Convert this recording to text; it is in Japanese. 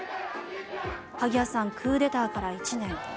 萩谷さん、クーデターから１年。